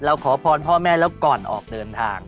ขอพรพ่อแม่แล้วก่อนออกเดินทาง